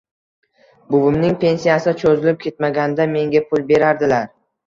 Buvimning pensiyasi cho‘zilib ketmaganda, menga pul berardilar